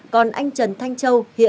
còn anh trần thanh châu